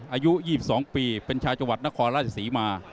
อายุ๒๒ปีเป็นชาวจังหวัดนครราชศรีมา